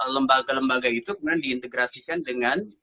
lembaga lembaga itu kemudian diintegrasikan dengan